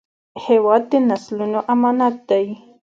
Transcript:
هېواد د نسلونو امانت دی.